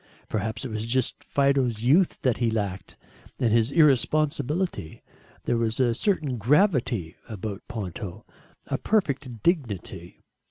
Perhaps it was just Fido's youth that he lacked, and his irresponsibility. There was a certain gravity about Ponto a perfect dignity.